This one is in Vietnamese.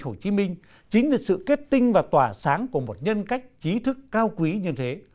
hồ chí minh chính là sự kết tinh và tỏa sáng của một nhân cách trí thức cao quý như thế